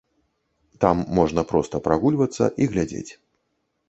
Там можна проста прагульвацца і глядзець.